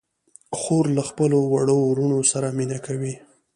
خور له خپلو وړو وروڼو سره مینه کوي.